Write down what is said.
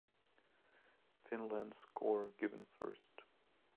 Finland's score given first.